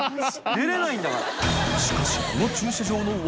出れないんだから！